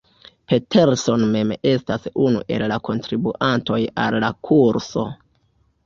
Peterson mem estas unu el la kontribuantoj al la kurso.